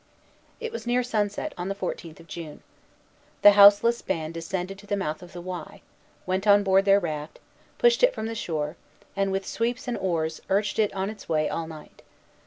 It was near sunset, on the fourteenth of June. The houseless band descended to the mouth of the Wye, went on board their raft, pushed it from the shore, and, with sweeps and oars, urged it on its way all night.